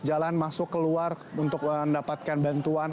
jalan masuk keluar untuk mendapatkan bantuan